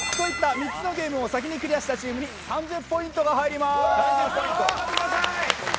３つのゲームを先にクリアしたチームに３０ポイントが入ります。